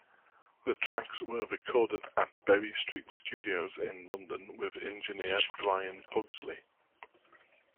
The tracks were recorded at Berry Street studios in London with engineer Brian Pugsley.